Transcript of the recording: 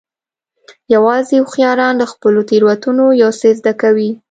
یوازې هوښیاران له خپلو تېروتنو یو څه زده کوي.